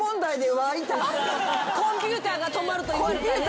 コンピューターが止まるといわれたね。